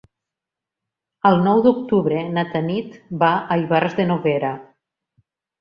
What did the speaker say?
El nou d'octubre na Tanit va a Ivars de Noguera.